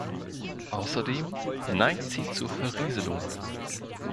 Außerdem neigt sie zur Verrieselung.